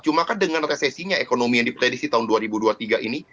cuma kan dengan resesinya ekonomi yang diprediksi tahun dua ribu dua puluh tiga ini